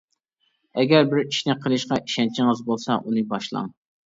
ئەگەر بىر ئىشنى قىلىشقا ئىشەنچىڭىز بولسا، ئۇنى باشلاڭ.